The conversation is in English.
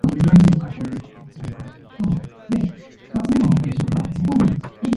Lennox was also the voice of Veronica in Gotta Catch Santa Claus.